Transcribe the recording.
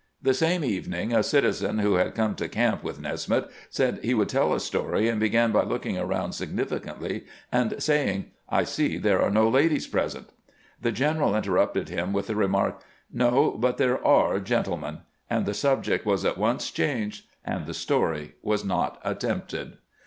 The same evening a citizen who had come to camp with Nesmith said he wonld tell a story, and began by look ing around significantly and saying, " I see there are no ladies present." The general interrupted him with the remark, " No ; but there are gentlemen" ; and the subject was at once changed, and the story was not attempted.